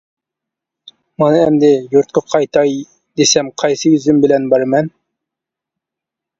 مانا ئەمدى يۇرتقا قايتاي دېسەم قايسى يۈزۈم بىلەن بارىمەن.